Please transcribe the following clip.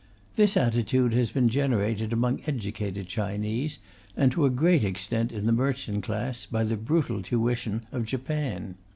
This attitude has been generated among educated Chinese, and to a great extent in the merchant class, by the brutal tuition of Japan.